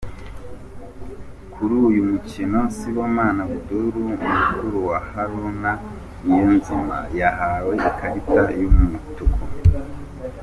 Kuri uyu mukino Sibomana Abdul, mukuru wa Haruna Niyonzima yahawe ikarita y’umutuku.